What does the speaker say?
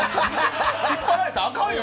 引っ張られたら、あかんよ！